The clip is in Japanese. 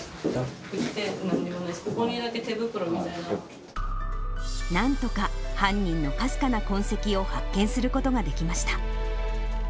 ふって、なんにもない、なんとか犯人のかすかな痕跡を発見することができました。